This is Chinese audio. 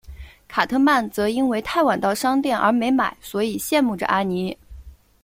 卡特曼则因为太晚到商店而没买所以羡慕着阿尼。